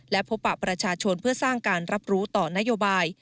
และพบปะประชาชนเพื่อสร้างการรับรู้ต่อนโยบาย